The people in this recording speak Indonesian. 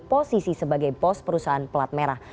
jadi posisi sebagai pos perusahaan pelat merah